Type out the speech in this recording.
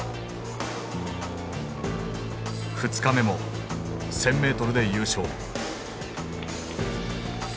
２日目も１，０００ｍで優勝。